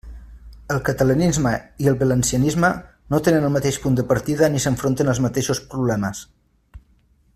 El catalanisme i el valencianisme no tenen el mateix punt de partida ni s'enfronten als mateixos problemes.